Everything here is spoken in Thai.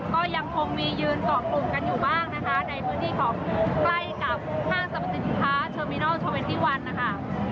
ก็ยังคงมียืนเกาะกลุ่มกันอยู่บ้างนะคะในพื้นที่ของใกล้กับห้างสรรพสินค้าเทอร์มินอลเทอร์เวนตี้วันนะคะ